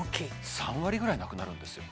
３割ぐらいなくなるんですよ